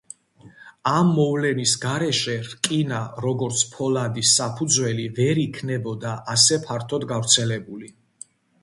ამ მოვლენის გარეშე რკინა როგორც ფოლადის საფუძველი ვერ იქნებოდა ასე ფართოდ გავრცელებული.